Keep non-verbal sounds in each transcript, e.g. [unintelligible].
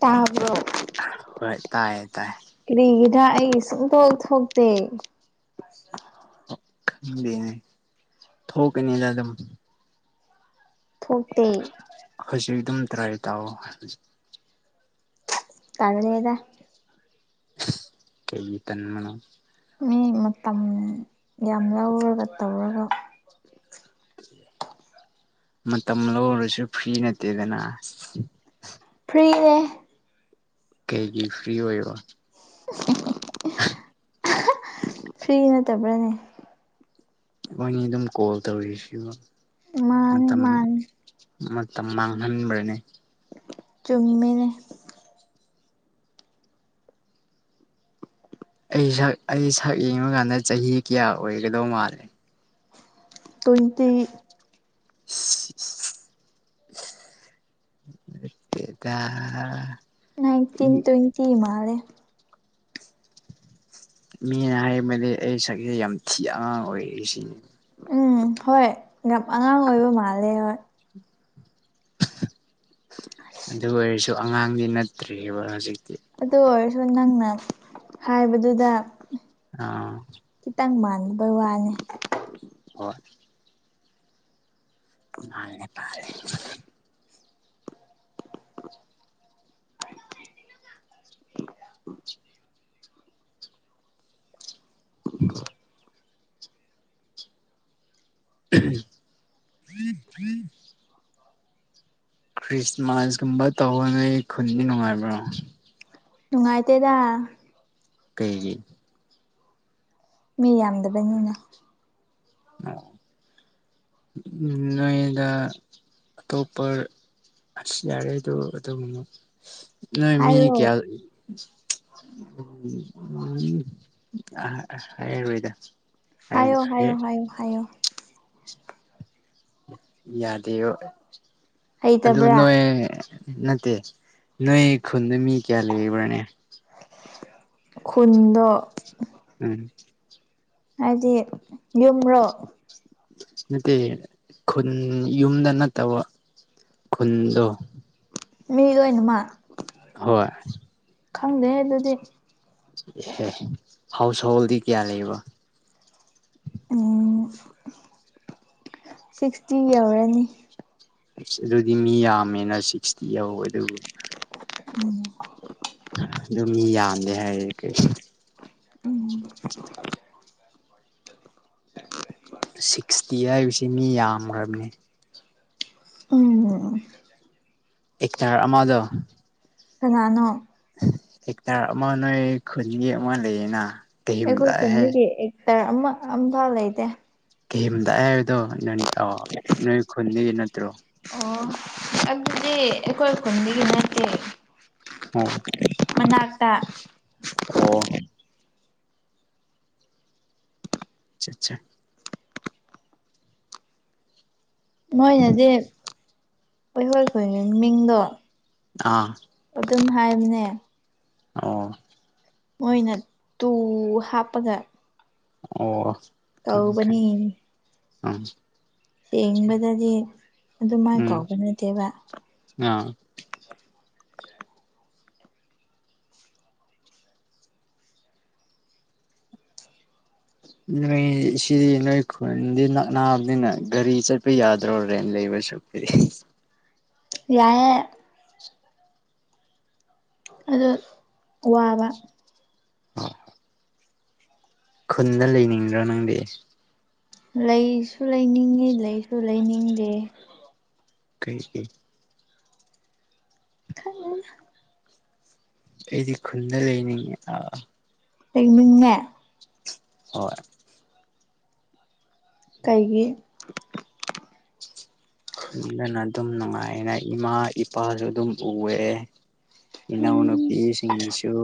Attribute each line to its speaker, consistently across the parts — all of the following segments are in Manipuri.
Speaker 1: ꯇꯥꯕ꯭ꯔꯣ
Speaker 2: ꯍꯣꯏ ꯇꯥꯏꯌꯦ ꯇꯥꯏ
Speaker 1: ꯀꯔꯤꯒꯤꯗ ꯑꯩ ꯁꯨꯡꯇꯣꯛ ꯊꯣꯛꯇꯦ
Speaker 2: ꯈꯪꯗꯦꯅꯦ ꯊꯣꯛꯀꯅꯤꯗꯥ ꯑꯗꯨꯝ
Speaker 1: ꯊꯣꯛꯇꯦ
Speaker 2: ꯍꯧꯖꯤꯛ ꯑꯗꯨꯝ ꯇ꯭ꯔꯥꯏ ꯇꯥꯑꯣ
Speaker 1: ꯇꯟꯂꯦꯗꯥ
Speaker 2: ꯀꯩꯒꯤ ꯇꯟꯕꯅꯣ
Speaker 1: ꯃꯤ ꯃꯇꯝ ꯌꯥꯝ ꯂꯧꯔꯒ ꯇꯧꯔꯒ
Speaker 2: ꯃꯇꯝ ꯂꯧꯔꯁꯨ ꯐ꯭ꯔꯤ ꯅꯠꯇꯦꯗꯅ
Speaker 1: ꯐ꯭ꯔꯤꯅꯦ
Speaker 2: ꯀꯩꯒꯤ ꯐ꯭ꯔꯤ ꯑꯣꯏꯔꯤꯕꯥ
Speaker 1: ꯐ꯭ꯔꯤ ꯅꯠꯇꯕ꯭ꯔꯥꯅꯦ
Speaker 2: ꯑꯈꯣꯏꯅꯤ ꯑꯗꯨꯝ ꯀꯣꯜ ꯇꯧꯔꯤꯁꯤꯕꯨ
Speaker 1: ꯃꯥꯅꯦ
Speaker 2: ꯃꯇꯝ
Speaker 1: ꯃꯥꯅꯦ
Speaker 2: ꯃꯇꯝ ꯃꯥꯡꯍꯟꯕ꯭ꯔꯥꯅꯦ
Speaker 1: ꯆꯨꯝꯃꯤꯅꯦ
Speaker 2: ꯑꯩ ꯁꯛ ꯑꯩ ꯁꯛ ꯌꯦꯡꯕ ꯀꯥꯟꯗ ꯆꯍꯤ ꯀꯌꯥ ꯑꯣꯏꯒꯗꯧ ꯃꯥꯜꯂꯦ
Speaker 1: ꯇ꯭ꯋꯦꯟꯇꯤ
Speaker 2: ꯁꯤꯁ ꯅꯠꯇꯦꯗꯥ
Speaker 1: ꯅꯥꯏꯟꯇꯤꯟ ꯇ꯭ꯋꯦꯟꯇꯤ ꯃꯥꯜꯂꯦ
Speaker 2: ꯃꯤꯅ ꯍꯥꯏꯕꯗꯤ ꯑꯩ ꯁꯛꯁꯦ ꯌꯥꯝ ꯊꯤ ꯑꯉꯥꯡ ꯑꯣꯏꯔꯤ ꯁꯤꯅꯤ
Speaker 1: ꯎꯝ ꯍꯣꯏ ꯌꯥꯝ ꯑꯉꯥꯡ ꯑꯣꯏꯕ ꯃꯥꯜꯂꯦ ꯍꯣꯏ
Speaker 2: ꯑꯗꯨ ꯑꯣꯏꯔꯁꯨ ꯑꯉꯥꯡꯗꯤ ꯅꯠꯇ꯭ꯔꯤꯕ ꯍꯧꯖꯤꯛꯇꯤ
Speaker 1: ꯑꯗꯨ ꯑꯣꯏꯔꯁꯨ ꯅꯪꯅ ꯍꯥꯏꯕꯗꯨꯗ
Speaker 2: ꯑꯥ
Speaker 1: ꯈꯤꯇꯪ ꯃꯥꯟꯕꯩ ꯋꯥꯅꯤ
Speaker 2: ꯍꯣꯏ ꯃꯥꯜꯂꯦ ꯃꯥꯜꯂꯦ
Speaker 1: [unintelligible]
Speaker 2: ꯎꯝ ꯊꯔꯤꯔꯤ ꯈ꯭ꯔꯤꯁꯃꯥꯁꯀꯨꯝꯕ ꯇꯧꯕ ꯅꯣꯏ ꯈꯨꯟꯗꯤ ꯅꯨꯡꯉꯥꯏꯕ꯭ꯔꯣ
Speaker 1: ꯅꯨꯡꯉꯥꯏꯇꯦꯗ
Speaker 2: ꯀꯩꯒꯤ
Speaker 1: ꯃꯤ ꯌꯥꯝꯗꯕꯩꯅꯤꯅ [unintelligible]
Speaker 2: ꯎꯝ ꯅꯣꯏꯗ ꯑꯇꯣꯞꯄ ꯑꯁ ꯌꯥꯔꯦꯗꯨ ꯑꯗꯨ ꯑꯃ ꯅꯣꯏ ꯃꯤ
Speaker 1: ꯍꯥꯏꯔꯣ
Speaker 2: ꯀꯌꯥ ꯑ ꯑ ꯍꯥꯏꯔꯔꯣꯏꯗ
Speaker 1: ꯍꯥꯏꯌꯣ ꯍꯥꯏꯌꯣ ꯍꯥꯏꯌꯣ ꯍꯥꯏꯌꯣ
Speaker 2: ꯌꯥꯗꯦꯌꯨ ꯑꯗꯨ
Speaker 1: ꯍꯩꯇꯕ꯭ꯔꯥ
Speaker 2: ꯅꯣꯏ ꯅꯠꯇꯦ ꯅꯣꯏ ꯈꯨꯟꯗ ꯃꯤ ꯀꯌꯥ ꯂꯩꯕ꯭ꯔꯅꯦ
Speaker 1: ꯈꯨꯟꯗꯣ
Speaker 2: ꯎꯝ
Speaker 1: ꯍꯥꯏꯗꯤ ꯌꯨꯝꯔꯣ
Speaker 2: ꯅꯠꯇꯦ ꯈꯨꯟ ꯌꯨꯝꯗ ꯅꯠꯇꯕ ꯈꯨꯟꯗꯣ
Speaker 1: ꯃꯤ ꯂꯣꯏꯅꯃꯛ
Speaker 2: ꯍꯣꯏ
Speaker 1: ꯈꯪꯗꯦ ꯑꯗꯨꯗꯤ
Speaker 2: ꯑꯦꯍꯦ ꯍꯥꯎꯁ ꯍꯣꯜꯗꯤ ꯀꯌꯥ ꯂꯩꯕ
Speaker 1: ꯎꯝ ꯁꯤꯛꯁꯇꯤ ꯌꯧꯔꯅꯤ
Speaker 2: ꯏꯁ ꯑꯗꯨꯗꯤ ꯃꯤ ꯌꯥꯝꯃꯦꯅ ꯁꯤꯛꯁꯇꯤ ꯌꯥꯋꯦ ꯑꯗꯨꯕꯨ
Speaker 1: ꯎꯝ
Speaker 2: ꯑꯗꯣ ꯃꯤ ꯌꯥꯝꯗꯦ ꯍꯥꯏꯔꯦ ꯀꯩ
Speaker 1: ꯎꯝ
Speaker 2: ꯁꯤꯛꯁꯇꯤ ꯍꯥꯏꯕꯁꯤ ꯃꯤ ꯌꯥꯝꯒ꯭ꯔꯝꯅꯦ
Speaker 1: ꯎꯝ
Speaker 2: ꯑꯦꯛꯇꯔ ꯑꯃꯗꯣ
Speaker 1: ꯀꯅꯥꯅꯣ
Speaker 2: ꯑꯦꯛꯇꯔ ꯑꯃ ꯅꯣꯏ ꯈꯨꯟꯒꯤ ꯑꯃ ꯂꯩꯌꯦꯅ
Speaker 1: ꯑꯩꯈꯣꯏ
Speaker 2: ꯀꯩꯍꯤꯝꯗꯥꯏ ꯍꯥꯏ
Speaker 1: ꯐꯦꯝꯂꯤꯒꯤ ꯑꯦꯛꯇꯔ ꯑꯃ ꯑꯝꯐꯥꯎ ꯂꯩꯇꯦ
Speaker 2: ꯀꯤꯝꯗꯥꯏ ꯍꯥꯏꯕꯗꯣ ꯅꯪ ꯑꯣ ꯅꯣꯏ ꯈꯨꯟꯗꯒꯤ ꯅꯠꯇ꯭ꯔꯣ
Speaker 1: ꯑꯣ ꯑꯗꯨꯗꯤ ꯑꯩꯈꯣꯏ ꯈꯨꯟꯗꯒꯤ ꯅꯠꯇꯦ
Speaker 2: ꯑꯣ
Speaker 1: ꯃꯅꯥꯛꯇ
Speaker 2: ꯑꯣ ꯑꯆꯥꯆꯥ
Speaker 1: ꯃꯣꯏꯅꯗꯤ ꯍꯣꯏ ꯍꯣꯏ ꯈꯨꯟꯒꯤ ꯃꯤꯡꯗꯣ
Speaker 2: ꯑꯥ
Speaker 1: ꯑꯗꯨꯝ ꯍꯥꯏꯕꯅꯦ
Speaker 2: ꯑꯣ
Speaker 1: ꯃꯣꯏꯅ ꯇꯨ ꯍꯥꯞꯄꯒ
Speaker 2: ꯑꯣ ꯈꯪꯉꯦ
Speaker 1: ꯀꯧꯕꯅꯤ
Speaker 2: ꯈꯪꯉꯦ ꯑꯝ
Speaker 1: ꯌꯦꯦꯥꯡꯕꯗꯗꯤ ꯑꯗꯨꯃꯥꯏ
Speaker 2: ꯎꯝ
Speaker 1: ꯀꯥꯎꯕ ꯅꯠꯇꯦꯕ
Speaker 2: ꯑꯥ ꯅꯣꯏ ꯁꯤꯗꯤ ꯅꯣꯏ ꯈꯨꯟꯗꯤ ꯅꯛꯅꯥꯕꯅꯤꯅ ꯒꯥꯔꯤ ꯆꯠ ꯄ ꯌꯥꯗ꯭ꯔꯣ ꯔꯦꯟ ꯂꯩꯕꯁꯨ ꯄꯤꯔꯤ
Speaker 1: ꯌꯥꯏꯌꯦ ꯑꯗꯨ ꯋꯥꯕ
Speaker 2: ꯈꯨꯟꯗ ꯂꯩꯅꯤꯡꯗ꯭ꯔꯣ ꯅꯪꯗꯤ
Speaker 1: ꯂꯩꯁꯨ ꯂꯩꯅꯤꯡꯉꯤ ꯂꯩꯁꯨ ꯂꯩꯅꯤꯡꯗꯦ
Speaker 2: ꯀꯩꯒꯤ
Speaker 1: ꯈꯪꯗꯦꯗ
Speaker 2: ꯑꯩꯗꯤ ꯈꯨꯟꯗ ꯂꯩꯅꯤꯡꯉꯦ ꯑꯥ
Speaker 1: ꯂꯩꯩꯅꯤꯡꯉꯦ
Speaker 2: ꯍꯣꯏ
Speaker 1: ꯀꯩꯒꯤ
Speaker 2: ꯈꯨꯟꯗꯅ ꯑꯗꯨꯝ ꯅꯨꯡꯉꯥꯏꯅꯥ ꯏꯃꯥ ꯏꯄꯥꯁꯨ ꯑꯗꯨꯝ ꯎꯋꯦ ꯏꯅꯥꯎꯅꯨꯞ
Speaker 1: ꯎꯝ
Speaker 2: ꯄꯤꯁꯤꯡꯁꯨ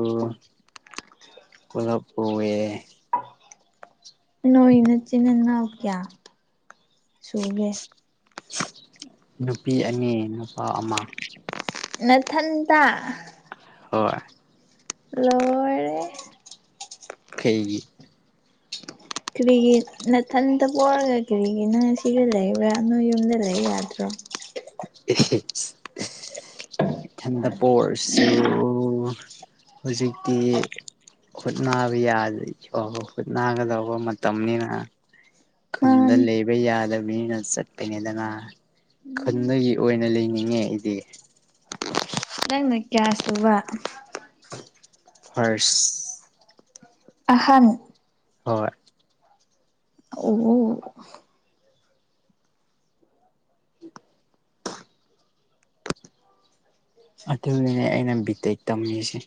Speaker 2: ꯄꯨꯂꯞ ꯎꯋꯦ
Speaker 1: ꯅꯣꯏ ꯅꯆꯤꯟ ꯅꯅꯥꯎ ꯀ꯭ꯌꯥ ꯁꯨꯒꯦ
Speaker 2: ꯅꯨꯄꯤ ꯑꯅꯤ ꯅꯨꯄꯥ ꯑꯃ
Speaker 1: ꯅꯊꯟꯇ
Speaker 2: ꯍꯣꯏ
Speaker 1: ꯂꯣꯏꯔꯦ
Speaker 2: ꯀꯩꯒꯤ
Speaker 1: ꯀꯔꯤꯒꯤ ꯅꯥꯊꯟꯇ ꯄꯣꯛꯔꯒ ꯀꯔꯤꯒꯤ ꯅꯪ ꯁꯤꯒ ꯂꯩꯕ꯭ꯔꯥ ꯅꯣꯏ ꯌꯨꯝꯗ ꯂꯩꯌꯨ ꯌꯥꯗ꯭ꯔꯣ
Speaker 2: [unintelligible] ꯏꯊꯟꯗ ꯄꯣꯔꯁꯨ ꯍꯨꯖꯤꯛꯇꯤ ꯍꯨꯠꯅꯕ ꯌꯥꯔꯤꯕꯥꯎ ꯍꯨꯠꯅꯥꯒꯗꯧꯕ ꯃꯇꯝꯅꯤꯅ ꯈꯨꯟꯗ
Speaker 1: ꯃꯥꯅꯤ
Speaker 2: ꯂꯩꯕ ꯌꯥꯗꯕꯅꯤꯅ ꯆꯠꯄꯅꯤꯗꯅꯥ
Speaker 1: ꯎꯝ
Speaker 2: ꯈꯟꯗꯒꯤ ꯑꯣꯏꯅ ꯂꯩꯅꯤꯡꯉꯦ ꯑꯩꯗꯤ
Speaker 1: ꯅꯪꯅ ꯀ꯭ꯌꯥꯁꯨꯕ
Speaker 2: ꯐ꯭ꯔꯥꯁ
Speaker 1: ꯑꯍꯟ
Speaker 2: ꯍꯣꯏ
Speaker 1: ꯑꯣ
Speaker 2: ꯑꯗꯨꯗꯨꯅꯦ ꯑꯩꯅ ꯕꯤ ꯇꯦꯛ ꯇꯝꯃꯤꯁꯦ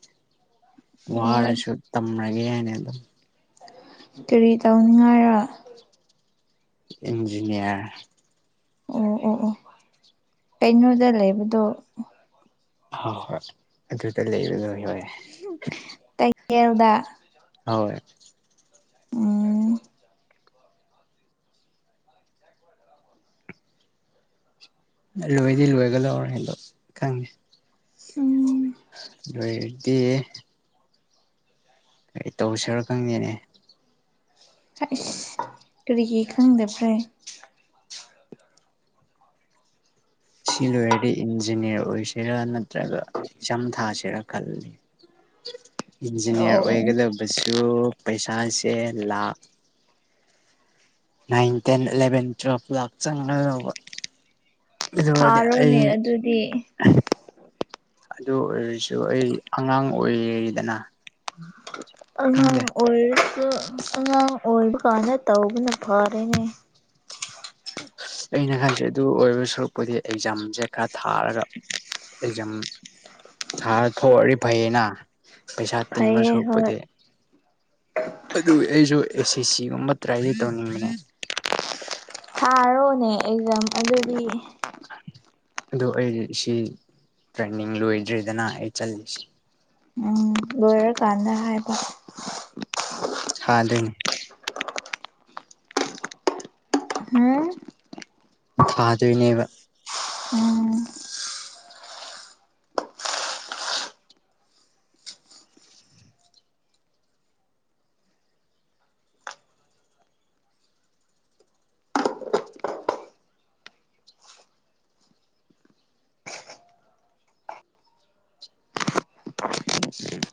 Speaker 1: ꯑꯣ
Speaker 2: ꯋꯥꯔꯁꯨ ꯇꯝꯔꯒꯦꯅ ꯑꯗꯨꯝ
Speaker 1: ꯀꯔꯤ ꯇꯧꯅꯤꯡꯉꯥꯏꯔꯥ
Speaker 2: ꯆꯤꯟꯖꯨꯅꯦ
Speaker 1: ꯎꯝ ꯎ ꯎꯝ ꯀꯩꯅꯣꯗ ꯂꯩꯕꯗꯣ
Speaker 2: ꯍꯣꯏ ꯍꯣꯏ ꯑꯗꯨꯗ ꯂꯩꯕ ꯅꯣꯏ ꯍꯣꯏ
Speaker 1: ꯇꯛꯌꯦꯜꯗ
Speaker 2: ꯍꯣꯏ
Speaker 1: ꯎꯝ
Speaker 2: ꯂꯣꯏꯗꯤ ꯂꯣꯏꯒ ꯂꯧꯔꯦꯗꯣ ꯈꯪꯉꯦ
Speaker 1: ꯎꯝ
Speaker 2: ꯑꯗꯨꯏꯗꯤ ꯑꯩ ꯇꯧꯁꯤꯔ ꯈꯪꯗꯦꯅꯦ
Speaker 1: ꯑꯩꯁ ꯀꯔꯤꯒꯤ ꯈꯪꯗꯕ꯭ꯔꯦ
Speaker 2: ꯁꯤ ꯂꯣꯏꯔꯗꯤ ꯏꯟꯖꯤꯅꯤꯌꯥꯔ ꯑꯣꯏꯁꯤꯔꯥ ꯅꯠꯇ꯭ꯔꯒ ꯑꯦꯛꯖꯥꯝ ꯊꯥꯁꯤꯔꯥ ꯈꯜꯂꯤ
Speaker 1: [inaudible]
Speaker 2: ꯏꯟꯖꯤꯅꯤꯌꯥꯔ
Speaker 1: ꯑꯣ
Speaker 2: ꯑꯣꯏꯒꯗꯕꯁꯨ ꯄꯩꯁꯥꯁꯦ ꯂꯥꯛ ꯅꯥꯏꯟ ꯇꯦꯟ ꯏꯂꯕꯦꯟ ꯇꯨꯌꯦꯜꯄ ꯂꯥꯛ ꯆꯥꯡꯂꯗꯧꯕ
Speaker 1: ꯊꯥꯔꯣꯅꯦ ꯑꯗꯨꯗꯤ
Speaker 2: ꯑꯗꯨ ꯑꯣꯏꯔꯁꯨ ꯑꯩ ꯑꯉꯥꯡ ꯑꯣꯏꯔꯤꯔꯤꯗꯅ
Speaker 1: ꯑꯉꯥꯡ ꯑꯣꯏꯔꯁꯨ ꯑꯉꯥꯡ ꯑꯣꯏꯕ ꯀꯥꯟꯗ ꯇꯧꯕꯅ ꯐꯥꯔꯦꯅꯦ
Speaker 2: ꯑꯩꯅ ꯍꯥꯏꯖꯦ ꯑꯗꯨ ꯑꯣꯏꯗꯨꯏ ꯁꯔꯨꯛꯄꯨꯗꯤ ꯑꯦꯛꯖꯥꯝꯁꯦ ꯈꯔ ꯊꯥꯔꯒ ꯑꯦꯛꯖꯥꯝ ꯊꯥ ꯊꯣꯛꯂꯗꯤ ꯐꯩꯌꯦꯅ ꯄꯩꯁꯥ ꯇꯤꯡꯕ
Speaker 1: ꯐꯩꯌꯦ ꯍꯣꯏ
Speaker 2: ꯁꯔꯨꯛꯄꯨꯗꯤ ꯑꯗꯨ ꯑꯩꯁꯨ ꯑꯦ ꯁꯤ ꯁꯤꯒꯨꯝꯕ ꯇ꯭ꯔꯥꯏꯗꯤ ꯇꯧꯅꯤꯡꯕꯅꯦ
Speaker 1: ꯊꯥꯔꯣꯅꯦ ꯑꯦꯀꯖꯥꯝ ꯑꯗꯨꯗꯤ
Speaker 2: ꯑꯗꯣ ꯑꯩ ꯁꯤ ꯇ꯭ꯔꯦꯟꯅꯤꯡ ꯂꯣꯏꯗ꯭ꯔꯦꯗꯅ ꯑꯩ ꯆꯜꯂꯤꯁꯤ
Speaker 1: ꯎꯝ ꯂꯣꯏꯔ ꯀꯥꯟꯗ ꯍꯥꯏꯕ
Speaker 2: ꯊꯗꯨꯏꯅꯦ
Speaker 1: ꯍꯨꯝ
Speaker 2: ꯊꯥꯗꯣꯏꯅꯦꯕ꯫
Speaker 1: ꯎꯝ꯫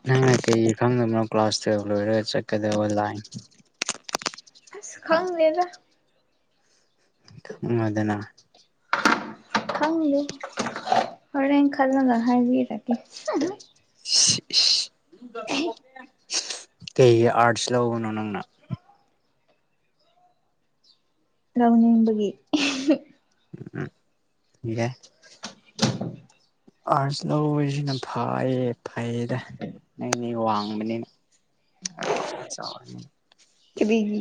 Speaker 2: ꯅꯪꯅ ꯀꯩ ꯏ ꯈꯪꯗꯕꯅꯣ ꯀ꯭ꯂꯥꯁ ꯇꯨꯌꯦꯜꯕ ꯂꯣꯏꯔꯒ ꯆꯠꯀꯗꯕ ꯂꯥꯏꯟ꯫
Speaker 1: ꯈꯪꯗꯦꯗꯥ꯫
Speaker 2: ꯈꯪꯉꯣꯗꯅꯥ꯫
Speaker 1: ꯈꯪꯗꯦ꯫ ꯍꯣꯔꯦꯟ ꯈꯜꯂꯒ ꯍꯥꯏꯕꯤꯔꯛꯀꯦ꯫
Speaker 2: ꯀꯩꯒꯤ ꯑꯥꯔꯠꯁ ꯂꯧꯕꯅꯣ ꯅꯪꯅ꯫
Speaker 1: ꯂꯧꯅꯤꯡꯕꯒꯤ꯫
Speaker 2: ꯎꯝ ꯌꯥꯏ꯫
Speaker 1: [unintelligible]
Speaker 2: ꯑꯥꯔꯠꯁ ꯂꯧꯕꯁꯤꯅ ꯐꯩꯌꯦ ꯐꯩꯌꯦꯗ ꯅꯪꯗꯤ‌ ꯋꯥꯡꯕꯅꯤꯅ꯫ [unintelligible]
Speaker 1: ꯀꯔꯤꯒꯤ꯫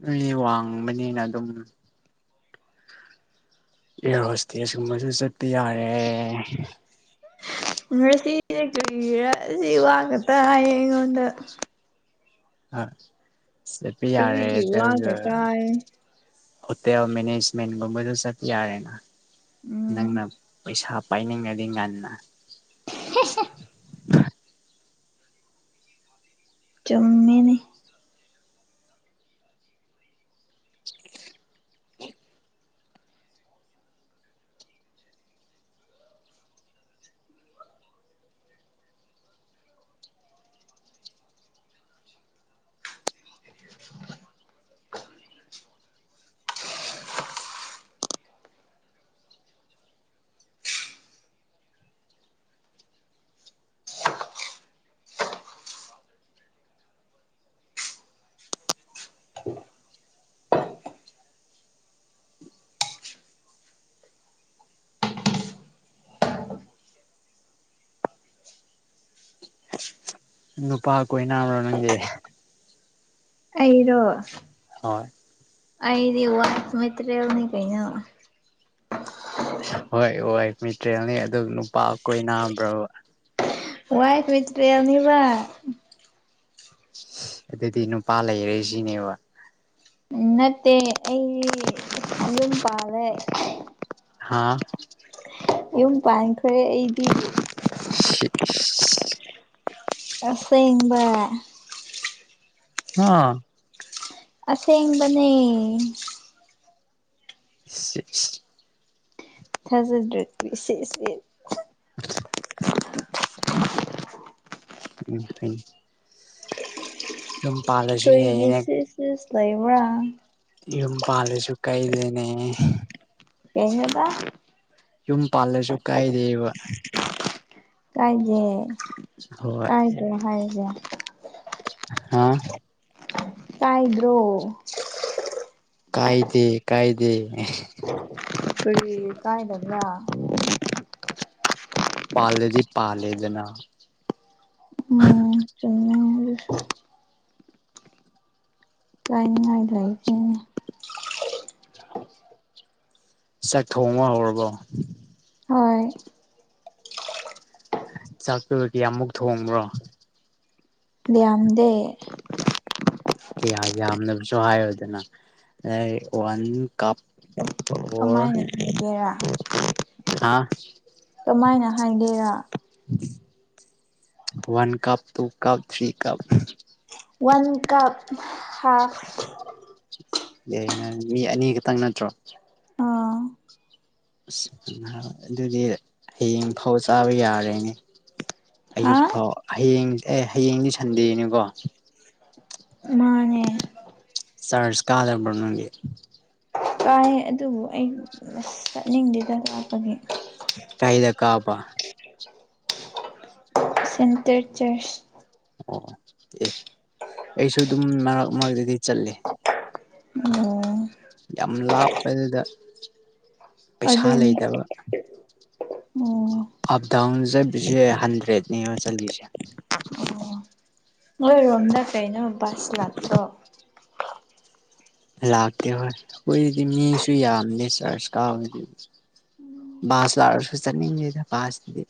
Speaker 2: ꯅꯪꯗꯤ ꯋꯥꯡꯕꯅꯤꯅ ꯑꯗꯨꯝ ꯑꯦꯌꯔ ꯍꯣꯁꯇꯦꯁ ꯀꯨꯝꯕꯁꯨ ꯆꯠꯄ ꯌꯥꯔꯦ꯫
Speaker 1: ꯉꯁꯤꯁꯦ ꯀꯔꯤꯔꯥ ꯁꯤ ꯋꯥ ꯉꯇ ꯍꯥꯏꯌꯦ ꯑꯩꯉꯣꯟꯗ꯫
Speaker 2: ꯑ ꯆꯠꯄ ꯌꯥꯔꯦ
Speaker 1: ꯑꯁꯤꯒꯤ ꯋꯥ
Speaker 2: ꯑꯗꯨ
Speaker 1: ꯈꯛꯇ ꯍꯥꯏꯌꯦ
Speaker 2: ꯍꯣꯇꯦꯜ ꯃꯦꯅꯦꯖꯃꯦꯟꯒꯨꯝꯕꯗꯣ ꯆꯠꯄ ꯌꯥꯔꯦꯅ꯫ ꯅꯪꯅ
Speaker 1: ꯎꯝ
Speaker 2: ꯄꯩꯁꯥ ꯄꯥꯏꯅꯤꯡꯉꯗꯤ ꯉꯟꯅ
Speaker 1: [unintelligible] ꯆꯨꯝꯃꯤꯅꯦ
Speaker 2: ꯅꯨꯄꯥ ꯀꯣꯏꯅꯥꯕ꯭ꯔꯣ ꯅꯪꯒꯤ
Speaker 1: ꯑꯩꯔꯣ
Speaker 2: ꯍꯣꯏ
Speaker 1: ꯑꯩꯗꯤ ꯋꯥꯏꯐ ꯃꯦꯇ꯭ꯔꯤꯌꯦꯜꯅꯤ ꯀꯩꯅꯣ
Speaker 2: ꯍꯣꯏ ꯍꯣꯏ ꯃꯤꯇ꯭ꯔꯦꯜꯅꯤ ꯑꯗꯨ ꯅꯨꯄꯥ ꯀꯣꯏꯅꯕ꯭ꯔꯥꯕ
Speaker 1: ꯋꯥꯏꯐ ꯃ‌ꯦꯇ꯭ꯔꯤꯌ‌ꯦꯟꯅꯤꯕ
Speaker 2: ꯑꯗꯨꯗꯤ ꯅꯨꯄꯥ ꯂꯩꯔꯦ ꯁꯤꯅꯦꯕ
Speaker 1: ꯅꯠꯇꯦ ꯑꯩꯗꯤ ꯌꯨꯝ ꯄꯥꯜꯂꯦ
Speaker 2: ꯍꯥꯥ
Speaker 1: ꯌꯨꯝ ꯄꯥꯟꯈ꯭ꯔꯦ ꯑꯩꯗꯤ
Speaker 2: [unintelligible]
Speaker 1: ꯑꯁꯦꯡꯕ
Speaker 2: ꯍꯥ
Speaker 1: ꯑꯁꯦꯡꯕꯅꯦ
Speaker 2: [unintelligible]
Speaker 1: ꯊꯥꯖꯗ꯭ꯔꯗꯤ ꯁꯤꯖ ꯌꯦ
Speaker 2: [inaudible] ꯎꯝ ꯐꯩꯌꯦ ꯄꯥꯜꯂꯁꯨ
Speaker 1: ꯑꯩꯈ‌ꯣꯏꯒꯤ
Speaker 2: ꯌꯥꯏꯌꯦꯅꯦ
Speaker 1: ꯁꯤꯁ ꯁꯤꯁ ꯂꯩꯕ꯭ꯔꯥ
Speaker 2: ꯌꯨꯝ ꯄꯥꯜꯂꯁꯨ ꯀꯥꯏꯗꯦꯅꯦ
Speaker 1: ꯀꯩꯅ‌ꯣꯗ
Speaker 2: ꯌꯨꯝ ꯄꯥꯜꯂꯁꯨ ꯀꯥꯏꯗꯦꯕ
Speaker 1: ꯀꯥꯏꯗꯦ
Speaker 2: ꯍꯣꯏ
Speaker 1: ꯀꯩꯅꯣ ꯍꯥꯏꯖꯦ꯫
Speaker 2: ꯍꯥꯥ
Speaker 1: ꯀꯥꯏꯗ꯭ꯔ‌ꯣ
Speaker 2: ꯀꯥꯏꯗꯦ ꯀꯥꯏꯗꯦ
Speaker 1: ꯀꯔꯤꯒꯤ ꯀꯥꯏꯗꯕ꯭ꯔꯥ
Speaker 2: ꯄꯥꯂꯗꯤ ꯄꯥꯂꯦꯗꯅ
Speaker 1: ꯎꯝ ꯆꯨꯝꯃ‌ꯦ ꯑꯗꯨꯁꯨ ꯀꯥꯏꯅꯤꯡꯉꯥꯏ ꯂꯩꯇꯦꯅꯦ
Speaker 2: ꯆꯥꯛ ꯊꯣꯡꯕ ꯍꯧꯔꯕꯣ
Speaker 1: ꯍꯧꯔ‌ꯦ
Speaker 2: ꯆꯥꯛꯇꯨꯗꯤ ꯑꯃꯨꯛ ꯊꯣꯡꯕ꯭ꯔꯣ
Speaker 1: ꯌꯥꯝꯗꯦ
Speaker 2: ꯀ꯭ꯌꯥ ꯌꯥꯝꯅꯕꯁꯨ ꯍꯥꯏꯌꯣꯗꯅ ꯑꯗꯩ ꯋꯥꯟ ꯀꯞ
Speaker 1: ꯀꯃꯥꯏꯅ ꯊꯤꯒꯦꯔꯥ
Speaker 2: ꯍꯥꯥ
Speaker 1: ꯀꯃꯥꯏꯅ ꯍꯥꯏꯒꯦꯔꯥ
Speaker 2: one cup two cup three cup
Speaker 1: one cup half
Speaker 2: ꯌꯥꯏ ꯅꯪ ꯃꯤ ꯑꯅꯤ ꯈꯛꯇꯪ ꯅꯠꯇ꯭ꯔꯣ?
Speaker 1: ꯑꯥ
Speaker 2: ꯑꯁ ꯑꯗꯨꯗꯤ ꯍꯌꯦꯡ ꯐꯥꯎ ꯆꯥꯕ ꯌꯥꯔꯦꯅꯦ꯫
Speaker 1: ꯍꯥ
Speaker 2: ꯑꯌꯨꯛ ꯐꯥꯎ ꯍꯌꯦꯡ ꯑꯦ ꯍꯌꯦꯡꯗꯤ ꯁꯟꯗꯦꯅꯦꯀꯣ꯫
Speaker 1: ꯃꯥꯟꯅꯦ
Speaker 2: ꯆꯔꯁ ꯀꯥꯗꯕꯔꯣ ꯅꯪꯗꯤ
Speaker 1: ꯀꯥꯏ ꯑꯗꯨꯕꯨ ꯑꯩ ꯑꯁ ꯆꯠꯅꯤꯡꯗꯦꯗ ꯂꯥꯞꯄꯒꯤ꯫
Speaker 2: ꯀꯩꯗ ꯀꯥꯕ
Speaker 1: ꯁꯦꯟꯇꯔ ꯆꯔꯆ
Speaker 2: ꯑꯣ ꯑꯦ ꯑꯩꯁꯨ ꯑꯗꯨꯝ ꯃꯔꯛ ꯃꯔꯛꯇꯗꯤ ꯆꯠꯂꯦ꯫
Speaker 1: ꯑꯣ
Speaker 2: ꯌꯥꯝ ꯂꯥꯞꯄꯗꯨꯗ ꯄꯩꯁꯥ
Speaker 1: ꯑꯗꯨꯅꯤ
Speaker 2: ꯂꯩꯇꯕ꯫
Speaker 1: ꯑꯣ
Speaker 2: ꯑꯞ ꯗꯥꯎꯟ ꯆꯠꯂꯤꯁꯦ ꯍꯟꯗ꯭ꯔꯦꯠꯅꯦꯕ ꯆꯠꯂꯤꯁꯦ꯫
Speaker 1: ꯅꯣꯏ ꯔꯣꯝꯗꯥ ꯀꯩꯅꯣ ꯕꯁ ꯂꯥꯛꯇꯔꯣ?
Speaker 2: ꯂꯥꯛꯇꯦ ꯍꯣꯏ ꯑꯩꯈꯣꯏꯗꯤ ꯃꯤꯁꯨ ꯌꯥꯝꯗꯦ ꯆꯥꯔꯖ ꯀꯥꯕꯗꯤ ꯕꯥꯁ ꯂꯥꯛꯔꯁꯨ ꯆꯠꯅꯤꯡꯉꯦꯗ ꯕꯥꯁꯇꯗꯤ